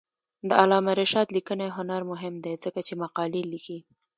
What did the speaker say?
د علامه رشاد لیکنی هنر مهم دی ځکه چې مقالې لیکي.